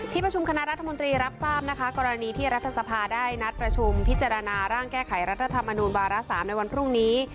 ประชุมคณะรัฐมนตรีรับทราบนะคะกรณีที่รัฐสภาได้นัดประชุมพิจารณาร่างแก้ไขรัฐธรรมนูญวาระ๓ในวันพรุ่งนี้